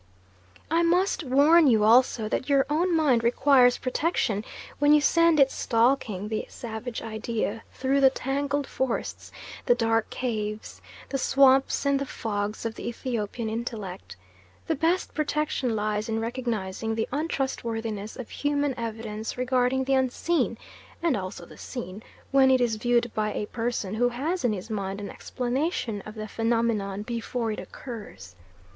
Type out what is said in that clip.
I must warn you also that your own mind requires protection when you send it stalking the savage idea through the tangled forests, the dark caves, the swamps and the fogs of the Ethiopian intellect. The best protection lies in recognising the untrustworthiness of human evidence regarding the unseen, and also the seen, when it is viewed by a person who has in his mind an explanation of the phenomenon before it occurs.